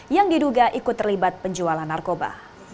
yang diduga ikut terlibat penjualan narkoba